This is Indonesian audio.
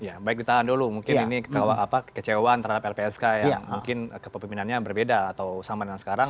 ya baik ditahan dulu mungkin ini kekecewaan terhadap lpsk yang mungkin kepemimpinannya berbeda atau sama dengan sekarang